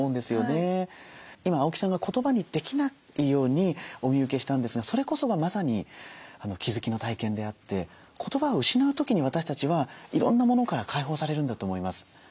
今青木さんが言葉にできないようにお見受けしたんですがそれこそがまさに気付きの体験であって言葉を失う時に私たちはいろんなものから解放されるんだと思います。